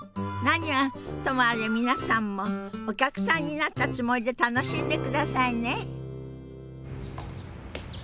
何はともあれ皆さんもお客さんになったつもりで楽しんでくださいね。